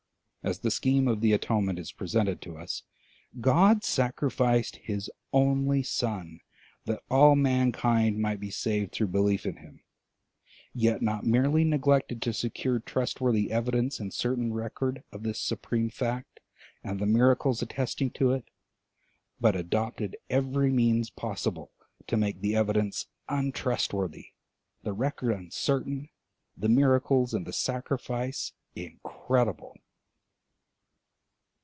As the scheme of the Atonement is presented to us, God sacrificed his only son that all mankind might be saved through belief in him; yet not merely neglected to secure trustworthy evidence and certain record of this supreme fact and the miracles attesting it, but adopted every means possible to make the evidence untrustworthy, the record uncertain, the miracles and the sacrifice incredible.